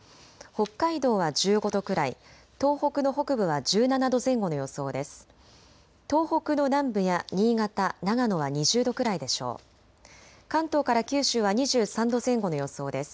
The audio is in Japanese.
北海道は１５度くらい、東北の北部は１７度前後の予想です。